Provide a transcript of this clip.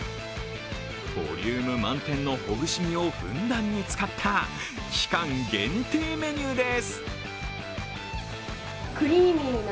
ボリューム満点のほぐし身をふんだんに使った期間限定メニューです。